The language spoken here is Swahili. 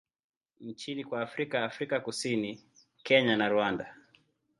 nchini kwa Afrika Afrika Kusini, Kenya na Rwanda.